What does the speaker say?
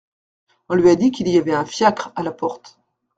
On lui a dit qu'il y avait un fiacre à la porte.